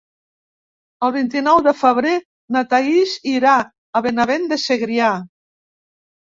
El vint-i-nou de febrer na Thaís irà a Benavent de Segrià.